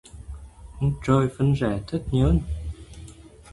Ông trời phân rẽ thất nhơn